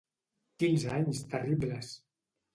Quins anys terribles!